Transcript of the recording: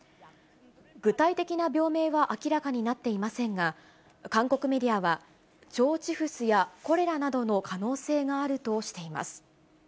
具体的な病名は明らかになっていませんが、韓国メディアは、腸チフスやコレラなどの可能性があるとしています。